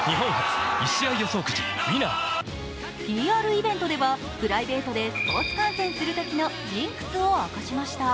ＰＲイベント、プライベートでスポーツ観戦するときのジンクスを明かしました。